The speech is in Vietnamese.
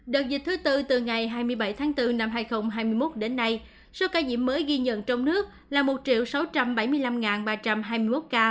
đợt dịch thứ tư từ ngày hai mươi bảy tháng bốn năm hai nghìn hai mươi một đến nay số ca nhiễm mới ghi nhận trong nước là một sáu trăm bảy mươi năm ba trăm hai mươi một ca